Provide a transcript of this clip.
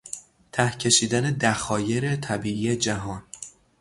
ته کشیدن دخایر طبیعی جهان